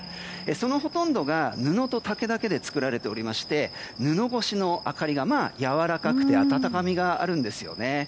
そのほとんどが布と竹だけで作られておりまして布越しの明かりが柔らかくて温かみがあるんですよね。